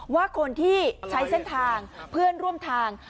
ว่าคนที่ใช้เส้นทางเพื่อนร่วมทาง